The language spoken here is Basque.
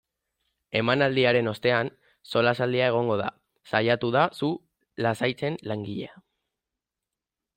Emanaldiaren ostean solasaldia egongo da, saiatu da zu lasaitzen langilea.